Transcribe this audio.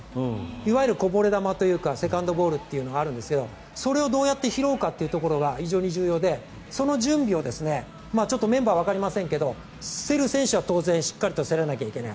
いわゆるこぼれ球というかセカンドボールというのがあるんですがそれをどう拾うかが重要でその準備をちょっとメンバーはわかりませんが競る選手は当然競らなきゃいけない。